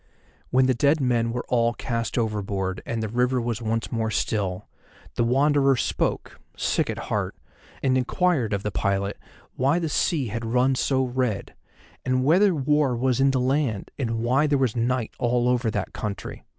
When the dead men were all cast overboard and the river was once more still, the Wanderer spoke, sick at heart, and inquired of the pilot why the sea had run so red, and whether war was in the land, and why there was night over all that country.